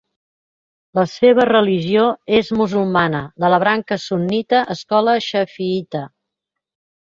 La seva religió és musulmana, de la branca sunnita, escola xafiïta.